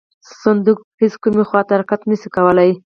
صندوق هیڅ کومې خواته حرکت نه شي کولی.